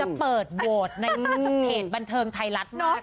จะเปิดโบสถ์ในเพจบันเทิงไทยรัฐมาก